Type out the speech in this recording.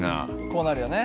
こうなるよね。